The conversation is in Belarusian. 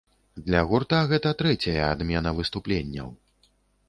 Для гурта гэта трэцяя адмена выступленняў.